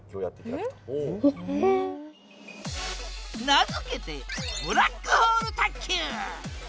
名付けてブラックホール卓球！